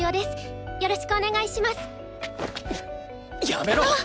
やめろっ！